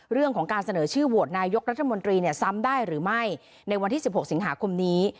เรื่องของการเสนอชื่อโหวตนายกรัฐมนตรีเนี่ยซ้ำได้หรือไม่ในวันที่๑๖สิงหาคมนี้